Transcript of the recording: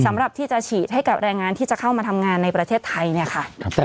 สำหรับที่จะฉีดให้กับแรงงานที่จะเข้ามาทำงานในประเทศไทยเนี่ยค่ะ